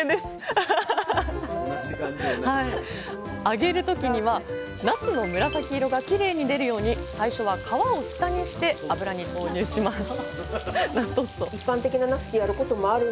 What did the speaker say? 揚げる時にはなすの紫色がきれいに出るように最初は皮を下にして油に投入します